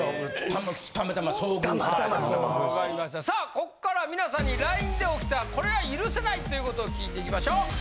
さあ、ここから皆さんに、ＬＩＮＥで起きたこれは許せないということ聞いていきましょう。